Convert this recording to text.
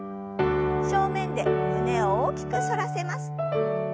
正面で胸を大きく反らせます。